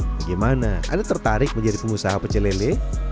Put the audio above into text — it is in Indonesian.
bagaimana anda tertarik menjadi pengusaha pecelele